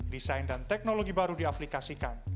desain dan teknologi baru diaplikasikan